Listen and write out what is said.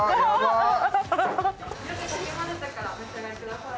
よくかき混ぜてからお召し上がりください。